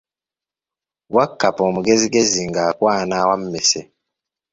Wakkapa omugezigezi ng’akwana wammese.